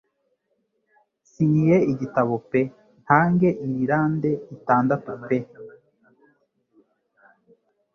Nsinyiye igitabo pe ntange Irilande itandatu pe